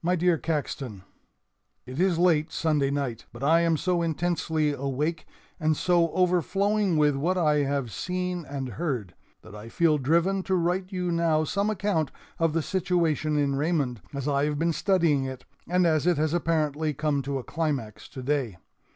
] "My Dear Caxton: "It is late Sunday night, but I am so intensely awake and so overflowing with what I have seen and heard that I feel driven to write you now some account of the situation in Raymond as I have been studying it, and as it has apparently come to a climax today.